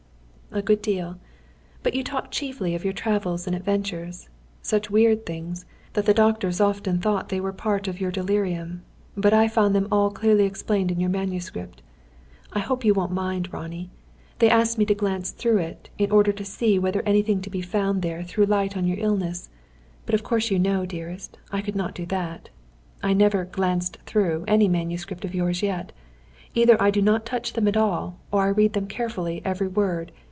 "A good deal. But you talked chiefly of your travels and adventures; such weird things, that the doctors often thought they were a part of your delirium. But I found them all clearly explained in your manuscript. I hope you won't mind, Ronnie. They asked me to glance through it, in order to see whether anything to be found there threw light on your illness. But of course you know, dearest, I could not do that. I never 'glanced through' any manuscript of yours yet. Either I do not touch them at all, or I read them carefully every word.